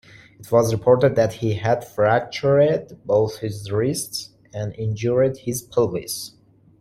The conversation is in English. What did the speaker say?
It was reported that he had fractured both his wrists and injured his pelvis.